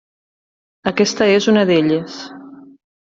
Aquesta és una d'elles.